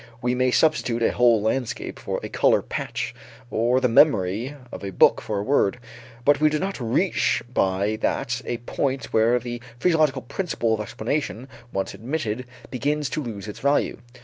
We may substitute a whole landscape for a color patch or the memory of a book for a word, but we do not reach by that a point where the physiological principle of explanation, once admitted, begins to lose its value.